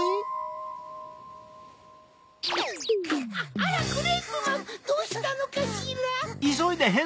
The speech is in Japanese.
あらクレープマンどうしたのかしら？